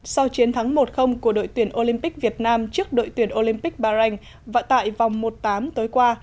sau chiến thắng một của đội tuyển olympic việt nam trước đội tuyển olympic bahrain và tại vòng một tám tối qua